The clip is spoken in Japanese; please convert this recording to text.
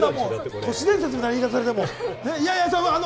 都市伝説みたいな言い方されても。